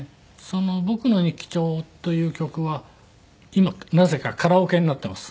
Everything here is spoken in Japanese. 『ぼくのにっきちょう』という曲は今なぜかカラオケになっています。